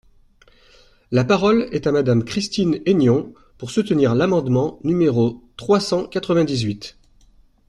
La parole est à Madame Christine Hennion, pour soutenir l’amendement numéro trois cent quatre-vingt-dix-huit.